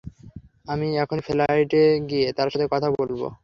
আমি এখনি ফ্লাইটে গিয়ে তার সাথে কথা বলবো।